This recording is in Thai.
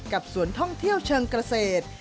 สวนท่องเที่ยวเชิงเกษตร